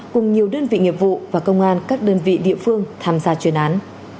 cùng nhiều đơn vị nghiệp vụ và công an các đơn vị địa phương tham gia chuyên án